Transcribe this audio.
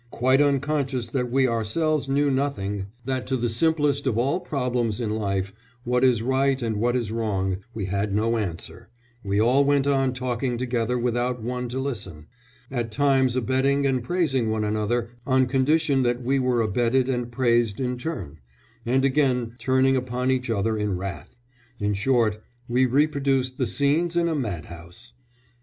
Quite unconscious that we ourselves knew nothing, that to the simplest of all problems in life what is right and what is wrong we had no answer, we all went on talking together without one to listen, at times abetting and praising one another on condition that we were abetted and praised in turn, and again turning upon each other in wrath; in short we reproduced the scenes in a madhouse."